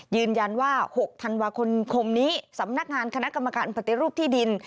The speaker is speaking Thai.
ยืนยันว่า๖ธันวาคมคมนี้สำนักงานคณะกรรมการปฏิรูปที่ดิน